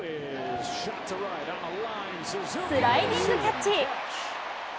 スライディングキャッチ。